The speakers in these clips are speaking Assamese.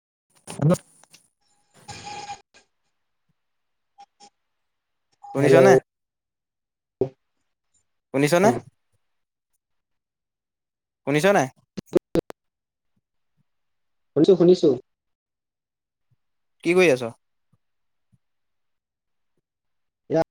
[unintelligible] হেল্ল' শুনিছানে। শুনিছনে। অ শুনিছ নাই। শুনিছো, শুনিছো। কি কৰি আছ। এয়া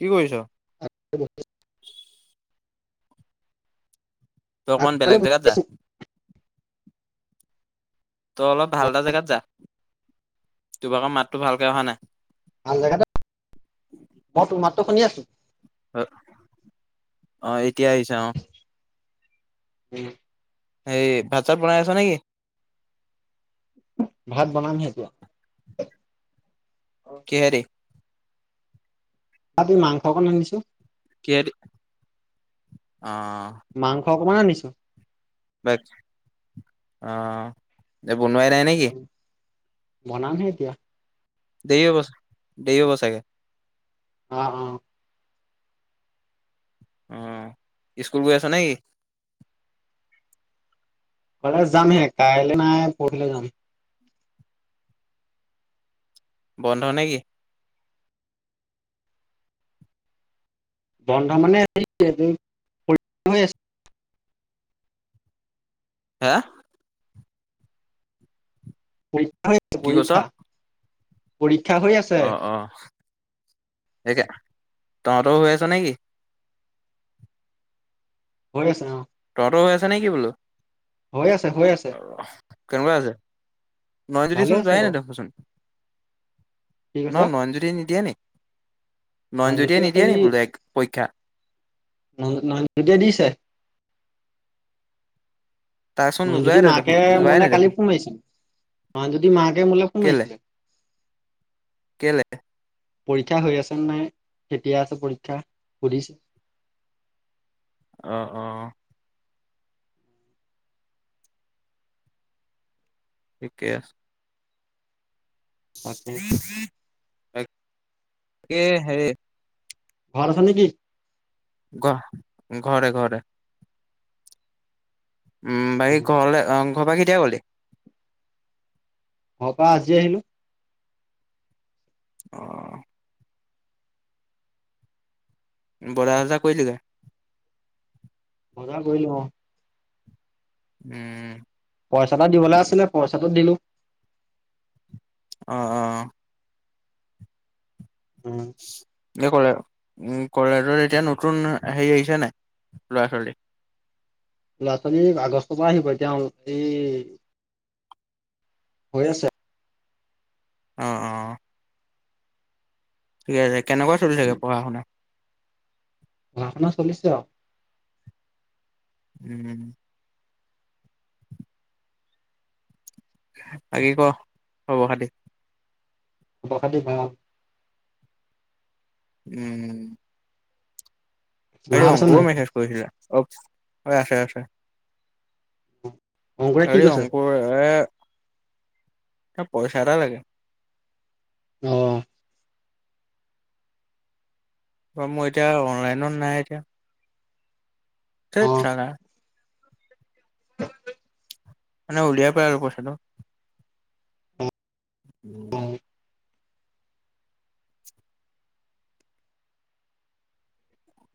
কি কৰিছ। তই অকমান আগফালে বেলেগ বহি জেগাত যা। আছো তই অলপ ভাল মই এটা জেগাত যা, তোভাগৰ মাতটো ভালকে অহা নাই। ভাল জেগাতে মই তোৰ মাততো শুনি আছো। অ', -অ' এতিয়া আহিছা অ'। উম। হেৰি ভাত চাত বনাই আছ নেকি? ভাত বনামহে এতিয়া। কিহেদি আজি মাংস অকণ আনিছো। কিহেদি অ মাংস অকণমান আনি [inaudible] [unintelligible] অ' এই বনোৱাই নাই নেকি? বনামহে এতিয়া। দেৰি হ'ব, দেৰি হ'ব চাগে। অহ অ'। অ' স্কুল গৈ আছ নেকি? কাইলে যামহে, কাইলৈ নাই, পৰহিলে যাম। বন্ধ নে কি? বন্ধ মানে হে এই হৰি পৰীক্ষা হৈ আছে। হা। পৰীক্ষা হৈ আছে কি কৈছ পৰীক্ষা। পৰী অ', অ'। সেয়া তহঁতৰও হৈ আছ নেকি? হৈ আছা অ। তহতৰ হৈ আছে নে কি বোলো? হৈ আছে হৈ আছে আহ কেনেকুৱা আছে নয় যদি ভালে চোন আছে যোৱায় বাৰু ন দেখচোন। কি ন কৈছ নয়নজুতি নিদিয়া নে বোলে এক পৰীক্ষা [unintelligible] তাৰচোন নোযোৱাই নয়নজ্যোতি নেদেখো মাকে যোৱাই মোলে কালি নেদেখো ফোন মাৰিছে, নয়নজ্যোতি মাকে মোলে ফোন কেলে মাৰিছে। কেলে পৰীক্ষা হৈ আছে নাই কেতিয়া আছে পৰীক্ষা সুধিছে। আহ আহ। থিকে। তাকে [unintelligible] [unintelligible] হেৰে। ঘৰত আছ নেকি? ঘ ঘৰতে ঘৰতে। উম ভাই ঘলে অ। ঘপা কেতিয়া ক'লে পাপা আজি আহিলো অ ব় হজা কৈলিকে বজা গলো উম পইচাটা দিবলৈ আছিলে পইচাটো দিলো আহ আহ উম [inaudible] যে কলে উ কলেজত এতিয়া নতুন হেৰি আহিছে নাই ল'ৰা ছোৱালী ল'ৰা ছোৱালী আগষ্টৰ পৰা আহিব এতিয়া এই হৈ আছে আহ অ ঠিক আছে কেনেকুৱা চলি থাকে পঢ়া শুনা ঘষনা চলিছে উম বাকি ক হব খতি আ খাটি ভ উম হেৰি মাহত আছে অংকুৰ নাই মেছেজ কৰিৈছিলা অ আছে আছে অংকুৰে কি হৰি কৈছে অংকুৰ এ এ পইচা এটা লাগে আহ অ মোৰ এতিয়া অনলাইনত নাই এতিয়া। অ ঠট চোবা নাই। মানে উলিয়াৰ পৰা আৰু পইচা তো। অ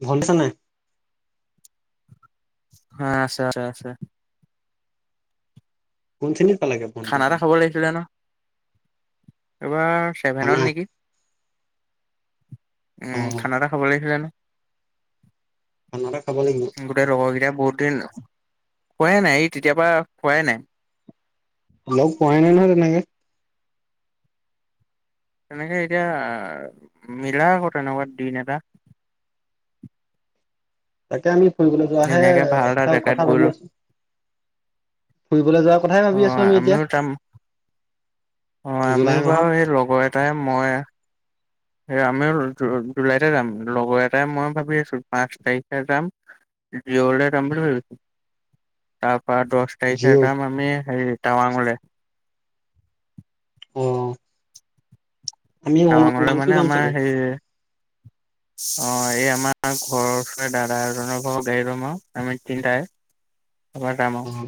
ভত দিছা নাই? হা আছে আছে আছে। কোন খিনিত খানা এটা খাব লাগিছিলে ন। [unintelligible] চছেভেনত খানা নেকি। অ উম খানা এটা খাব লাগিছিলে ন। খানা এটা খাব লাগিব গোটেই লগৰ গিতা। বহোত দিন খোবা এ নাই তেতি তেতিয়াৰ পৰা খোৱাই নাই। লগ পোৱাই নাই নহয় তেনেকে। তেনেকে এতিয়া মিলা আকৌ তেনেকুৱা দিন এটা। তাকে আমি ফুৰিবলৈ ধুনীয়াকে ভাল এটা যোৱাহে জেগাত কথা গৈ ভাবি লৈ আছো, ফুৰিবলৈ যোৱাৰ কথায়ে অ ভাবি আছো আমি এতিয়া । অহ আমিও বাৰু এই লগৰ এটাই ময় এ আমিও জুলাইতে যাম লগৰ এটাই ময়ে ভাবি আছো পাঁচ তাৰিখে যাম জিৰ' লে যাম বুলি ভাবিছো তা পা দছ তাৰিখে জিঅ' যাম আমি হেৰি টাৱাংলে । অ'। আমিও টাৱাঙলে মানে উমৰাংছু যাম আমাৰ চাগে। হেৰি অ' এই আমাৰ ঘৰৰ ওচৰতে দাদা এজনৰ ঘৰৰ গাড়ী লম আৰু আমি তিনিটাই । এইবাৰ যাম আৰু । অ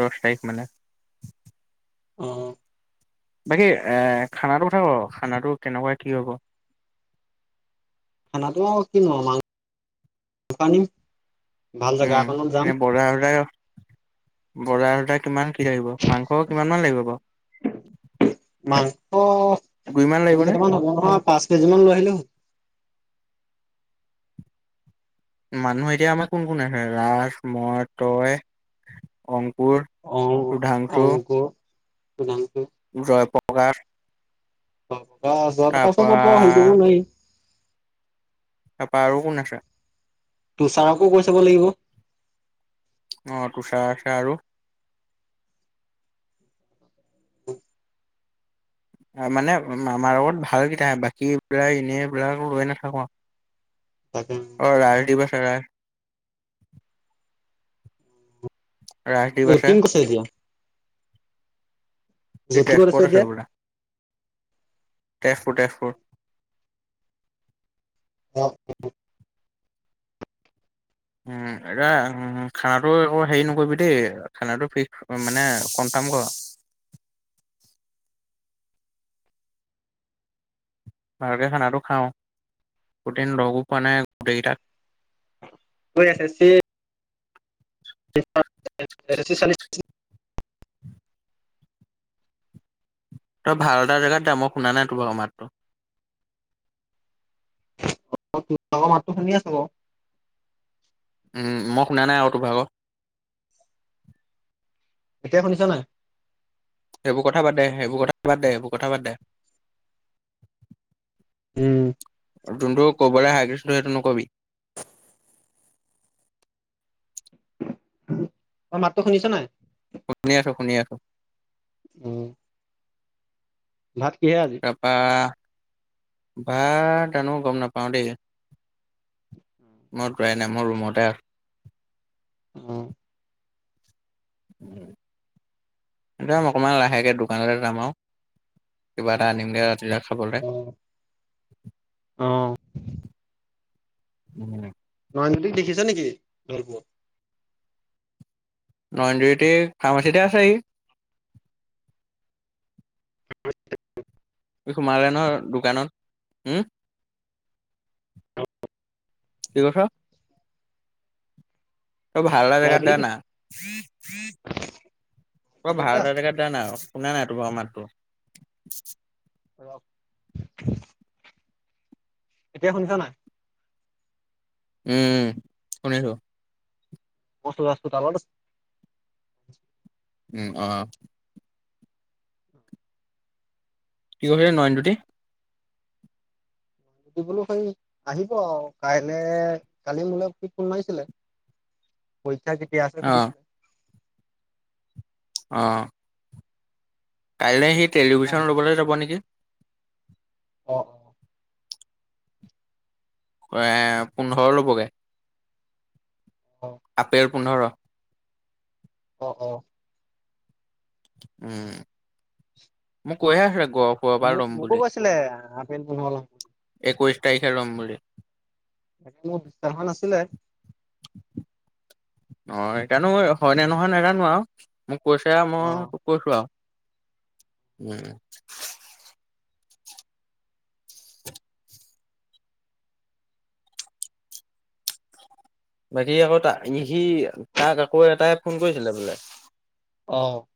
দছ তাৰিখ মানে। অ' । বাকী এ খানাটো কথা ক খানাটো কেনেকুৱা কি হ'ব? খানাটো আৰু কিনো আৰু মাংস আনিম ভাল জেগা উম এখনত যাম এনে বজাৰ চজাৰ বজাৰ এয়া কিমান কি লাগিব মাংস কিমান মান লাগিব বাৰু মাংস দুইমান লাগিব নে পাঁচ কেজি মান লৈ আহিলে হল । মানুহ এতিয়া আমাৰ কোন কোন আছে ৰাজ মই তই অং পুৰ, অ ৰূধাংশু। অংক [unintelligible] ৰয় প উপকাৰ টকা [unintelligible] পৰা হেৰি কৰিব নোৱাৰি। তাপা আৰু কোন আছে? তোছাৰকো কৈ চাব লাগিব। অহ তুচাৰ আছে আৰু মানে আমাৰ লগত ভালকেইটা বাকীবিলাক এনেবিলাকক লৈ নাথাকো তাকে । অহ ৰাই দিবছে ৰাই । [inaudible] অহ কিং কছাইজিয়া । সি যতীন ক'ত তেজপুৰত আছে এতিয়া বোলে তেজপুৰ তেজপুৰ । অহ অহ । উম এতিয়া খানাটো আকৌ হেৰি নকৰিবি দেই খানাটো ফিক্স মানে কনফাৰ্ম কৰ । ভালকে খানাটো খাওঁ, প্ৰতিদিন লগো পোৱা নাই গোটেইগিতাক । কৰি আছে চি [unintelligible] তই ভাল এটা জেগাত যা মই শুনা নাই তোৰভাগৰ মাতটো । [unintelligible] মাতটো শুনি আছো বাৰু। উম মই শুনা নাই আকৌ তোৰ ভাগৰ । এতিয়া, শুনিছা নে? এইবোৰ কথা বাদ দে। সেইবোৰ কথা বাদ দে। এইবোৰ কথা বাদ দে। উম। যোনটো ক'বলৈ হাক দিছোঁ, সেইটো নক'বি। তই মাতটো শুনিছ নাই? শুনি আছোঁ, শুনি আছোঁ। উম। ভাত কিহে আজি তাপা বা জানোঁ, গম নাপাও, দেই। মই যোৱাই নাই। মোৰ ৰুমতে আছোঁ। উম। অকণমান লাহেকে দোকানলৈ যাম, আৰু কিবা এটা আনিমগে, ৰাতি। ৰাতি খাবলে অ', অ'। উম। ভণ্টীক দেখিছ নেকি? [unintelligible] লণ্ড্ৰীতে, ফাৰ্মাচীতেই আছে, সি সি সোমালে নহয়, দোকানত। উম কি কৈছ? তই ভাল এটা অ', জেগাত বুলি জানা, কৈছে তই ভাল এটা জেগাত জানা শুনা নাই, তোমাৰ মাতটো ৰখ এতিয়া শুনিছ নাই? উম, শুনিছোঁ। বস্তু-বাস্তো, তালৰ উম, অ'। কি কৈছিলি, নয়নজ্যোতি? সি বোলো কালি আহিব আও কাইলে, কালি মোলৈ সি ফোন মাৰিছিলে, কৈ পৰীক্ষা কেতিয়া আছে অ সুধিছে। অ'। কাইলে সি টেলিভিশন আহিব। ল'বলৈ যাব নেকি? অ', এ, পোন্ধৰ ল'বগে। অ', অ', আপেল পোন্ধৰ। অ', অ'। উম, মোক কৈয়ে আছিলে গহপুৰৰ পৰা মোক ল'ম মোকো বুলি কৈছিলে, [unintelligible] পোন্ধৰ ল'ম। একৈশ তাৰিখে ল'ম বুলি। [unintelligible] টো গীটাৰখন আছিলে। অ', সেইকাৰণে মই হয় নে নহয় নাজানো আৰু। কৈছে আৰু অ', মই কৈছোঁ আৰু। [unintelligible] বাকী আকৌ তা সি তাক আকৌ এটাই ফোন কৰিছিলে বোলে অ'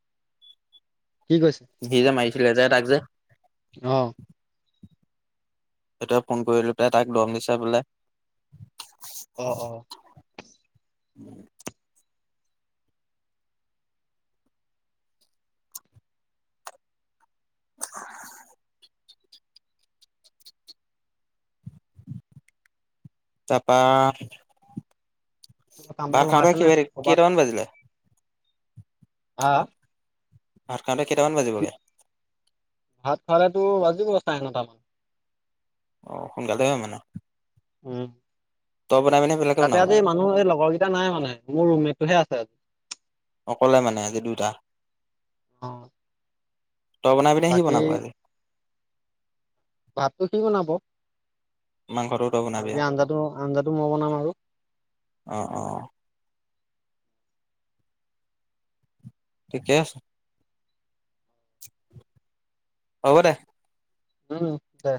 কি [unintelligible] চে যে তাক যে অঁ সেইতোৱে ফোন কৰিলৈ পেলাই তাক দম দিছে বোলে। অ', অ'। [unintelligible] তাপা কিবা কামত ভাত খাওঁতে লগাইছে নে কেই ক'ৰবাত? কেইটামান বাজিলে। হা? [unintelligible] মানে কেইটামান বাজিবগে। ভাত খুৱালেটো বাজিব চাৰে নটা মান। অঁ, সোনকালেই হয় মানে। উম তই বনাবি নে বেলেগে তাতে বনাব আজি মানুহ এই লগৰ কেইটা নাই মানে, মোৰ ৰুমমেটটোহে আছে আজি। অকলে মানে আজি দুইটা। অ তই বনাবি নে সি বাকী বনাব আজি? ভাতটো সি বনাব। মাংসটো তই বনাবি বাকী আৰু আঞ্জাটো- আঞ্জাটো মই বনাম আৰু। অ অ ঠিকে আছে। হ'ব দে উম দে।